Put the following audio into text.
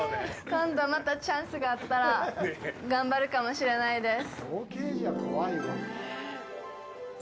今度また、チャンスがあったら頑張るかもしれないです。